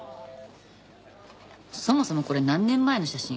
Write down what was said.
そもそもこれ何年前の写真？